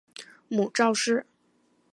母赵氏。